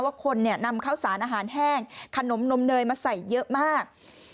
ว่าคนนำข้าวสารอาหารแห้งขนมนมเนยมาใส่เยอะมาก